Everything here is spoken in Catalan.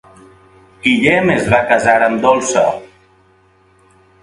Guillem es va casar amb Dolça.